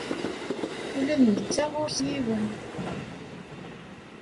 Ula d netta ɣur-s yiwen.